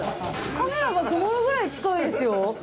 カメラが曇るぐらい近いですよ。